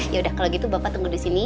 yaudah kalau gitu bapak tunggu di sini